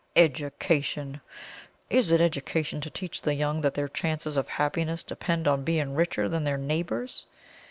Education! Is it education to teach the young that their chances of happiness depend on being richer than their neighbours?